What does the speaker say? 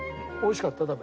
おいしかった？